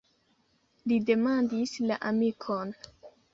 Li demandis la amikon.